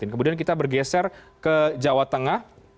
kemudian kita bergeser ke jawa tengah